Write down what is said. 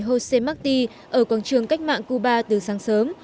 họ đã tập trung trước tượng đài hosea marti ở quảng trường cách mạng cuba từ sáng sớm